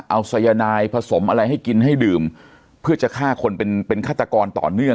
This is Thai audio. เอาสายนายผสมอะไรให้กินให้ดื่มเพื่อจะฆ่าคนเป็นเป็นฆาตกรต่อเนื่อง